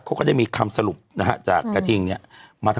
ขอบคุณนะครับขอบคุณนะครับขอบคุณนะครับ